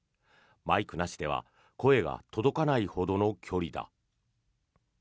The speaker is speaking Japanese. マイクなしでは声が届かないほどの距離だ。